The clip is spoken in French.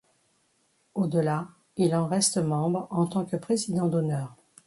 Au-delà, il en reste membre en tant que président d'honneur.